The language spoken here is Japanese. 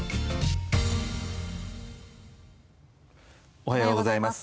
おはようございます。